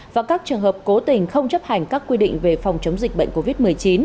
và các trường hợp cố tình không chấp hành các quy định về phòng chống dịch bệnh covid một mươi chín